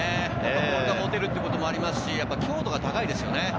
ボールが持てることもありますし、強度が高いですよね。